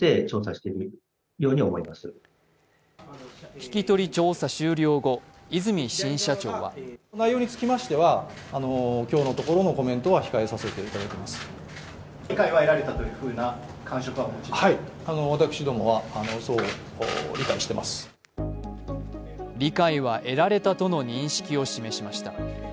聞き取り調査終了後、和泉新社長は理解は得られたとの認識を示しました。